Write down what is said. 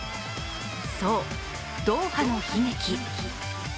そう、ドーハの悲劇。